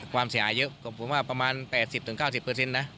ความเสียหายเยอะก็บอกมาประมาณ๘๐ถึง๙๐เปอร์เซ็นต์นะ